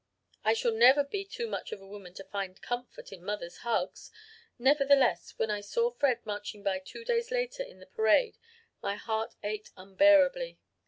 "I shall never be too much of a woman to find comfort in mother's hugs. Nevertheless, when I saw Fred marching by two days later in the parade, my heart ached unbearably.